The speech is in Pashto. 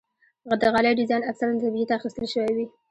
د غالۍ ډیزاین اکثره له طبیعت اخیستل شوی وي.